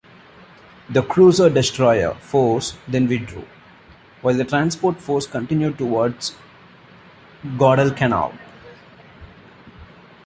The cruiser-destroyer force then withdrew, while the transport force continued towards Guadalcanal.